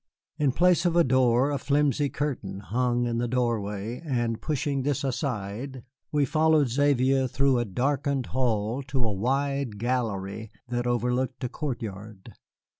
In place of a door a flimsy curtain hung in the doorway, and, pushing this aside, we followed Xavier through a darkened hall to a wide gallery that overlooked a court yard.